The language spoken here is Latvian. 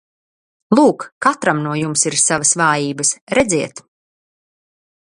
Lūk, katram no jums ir savas vājības, redziet!